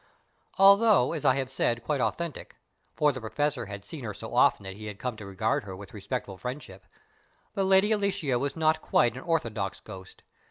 Although, as I have said, quite authentic, for the Professor had seen her so often that he had come to regard her with respectful friendship, the Lady Alicia was not quite an orthodox ghost.